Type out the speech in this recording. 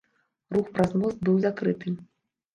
Рух праз мост быў закрыты.